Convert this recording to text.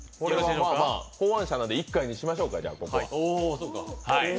考案者なので１回にしましょうか、ここは。